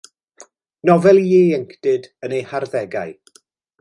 Nofel i ieuenctid yn eu harddegau.